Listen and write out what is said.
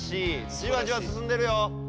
じわじわすすんでるよ！